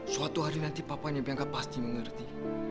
suatu hari nanti papanya bianca pasti mengerti